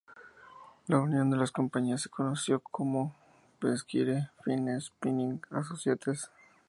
La unión de las compañías se conoció como Berkshire Fine Spinning Associates.